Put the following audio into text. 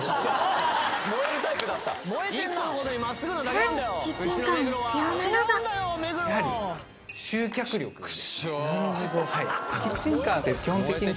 さらにキッチンカーに必要なのがやはり集客力ですね